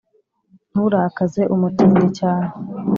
nturakaze umutindi cyane